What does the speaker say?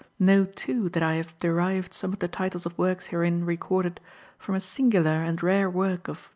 Know, too, that I have derived some of the titles of works herein recorded from a singular and rare work of M.